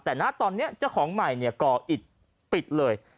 แต่ณตอนนี้เจ้าของใหม่ก่ออิดปิดเลย